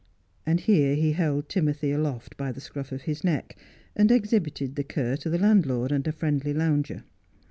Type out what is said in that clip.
And here he held Timothy aloft by the scruff of his neck, an^ exhibited the cur to the landlord and a friendly lounger.